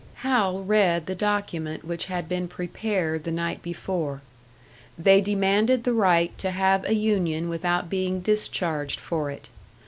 Hal read the document which had been prepared the night before. They demanded the right to have a union without being discharged for it.